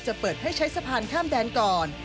เปิดให้ใช้สะพานข้ามแดนก่อน